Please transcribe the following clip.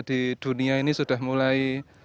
di dunia ini sudah mulai